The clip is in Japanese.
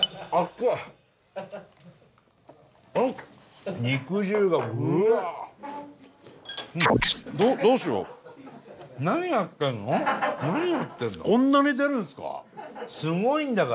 こんなに出るんすか？